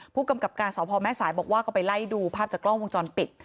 ผู้กำกับการสพแม่สายบอกว่าก็ไปไล่ดูภาพจากกล้องวงจรปิด